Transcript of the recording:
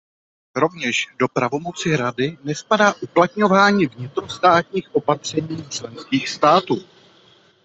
Rovněž do pravomoci Rady nespadá uplatňování vnitrostátních opatření členských států.